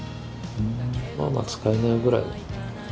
まぁまぁ使えないぐらい。